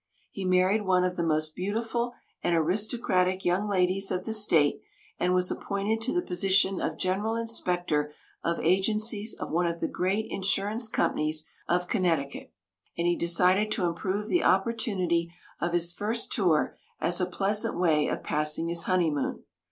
He married one of the most beautiful and aristocratic young ladies of the state, and was appointed to the position of general inspector of agencies of one of the great insurance companies of Connecticut, and he decided to improve the opportunity of his first tour as a pleasant way of passing his honeymoon.